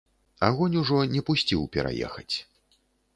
Агонь ужо не пусціў пераехаць.